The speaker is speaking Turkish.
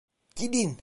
Gidin!